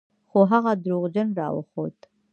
خو هغه دروغجن راوخوت.